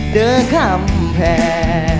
เด้อคำแพง